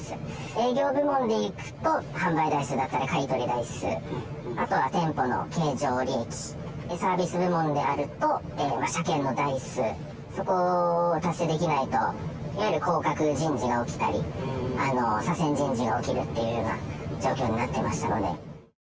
営業部門でいくと、販売台数だったり買い取り台数、あとは店舗の経常利益、サービス部門であると、車検の台数、そこを達成できないと、やはり降格人事が起きたり、左遷人事が起きるっていうような状況になってましたので。